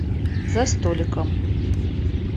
За столиком.